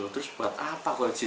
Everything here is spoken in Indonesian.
mikir terus buat apa koleksi